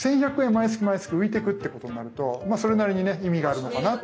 毎月毎月浮いてくってことになるとそれなりにね意味があるのかなと。